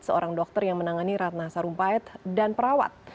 seorang dokter yang menangani ratna sarumpait dan perawat